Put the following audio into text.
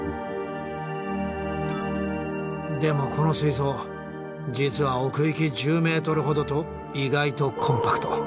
でもこの水槽実は奥行き１０ｍほどと意外とコンパクト。